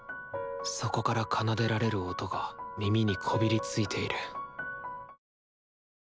そこから奏でられる音が耳にこびりついている。